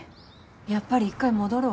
やっぱり一回戻ろう。